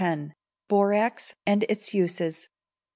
] 2310. Borax and its Uses.